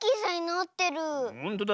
ほんとだ。